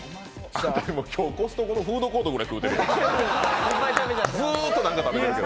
今日コストコのフードコートぐらい食べてますよ。